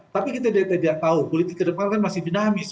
tapi kita tidak tahu politik ke depan kan masih dinamis